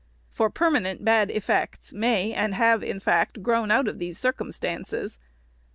For permanent bad effects may and have, in fact, grown out of these circumstances.